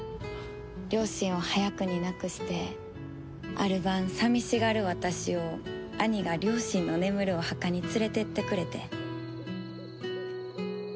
両親を早くに亡くしてある晩寂しがる私を兄が両親の眠るお墓に連れていってくれて。